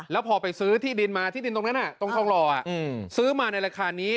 แล้วพอไปซื้อที่ดินมาที่ดินตรงนั้นตรงทองหล่อซื้อมาในราคานี้